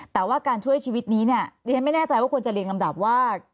แต่ว่าการช่วยชีวิตนี้เนี่ยดิฉันไม่แน่ใจว่าควรจะเรียงลำดับว่า